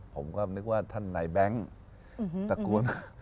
ผมก็นึกว่าท่านไหนแบงค์ตระกูล